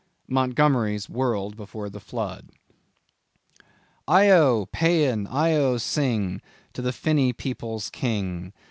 —Montgomery's World before the Flood. "Io! Paean! Io! sing. To the finny people's king.